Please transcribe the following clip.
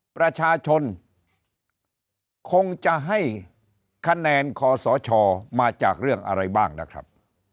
ประชาชนคงจะให้คะแนนคอสชมาจากเรื่องอะไรบ้างนะครับ